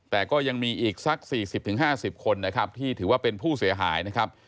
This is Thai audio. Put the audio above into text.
แต่ก็ยังมีอีกสัก๔๐๕๐คนนะครับที่ถือว่าเป็นผู้เสียหายนะครับ